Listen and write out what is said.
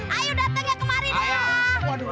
ayo datang ya kemarin ya